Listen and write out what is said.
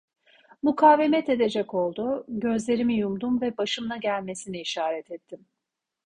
Mukavemet edecek oldu; gözlerimi yumdum ve başımla gelmesini işaret ettim.